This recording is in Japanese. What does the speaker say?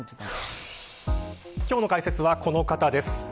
今日の解説はこの方です。